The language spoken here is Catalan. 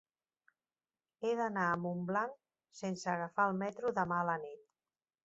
He d'anar a Montblanc sense agafar el metro demà a la nit.